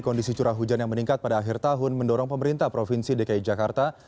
kondisi curah hujan yang meningkat pada akhir tahun mendorong pemerintah provinsi dki jakarta